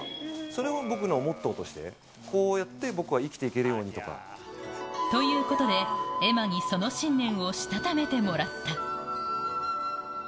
それを僕のモットーとして、こうやって僕は生きていけるようにとか。ということで、絵馬にその信念をしたためてもらった。